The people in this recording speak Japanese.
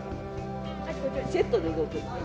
セットで動く。